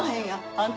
あんた。